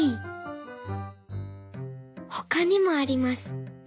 ほかにもあります。